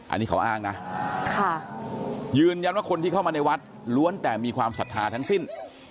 อันนี้เขาอ้างนะยืนยันว่าคนที่เข้ามาในวัดล้วนแต่มีความศรัทธาทั้งสิ้น